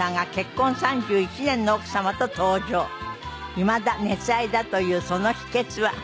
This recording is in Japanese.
いまだ熱愛だというその秘訣は？